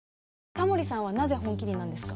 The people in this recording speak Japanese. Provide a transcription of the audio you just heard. タモリさんはなぜ「本麒麟」なんですか？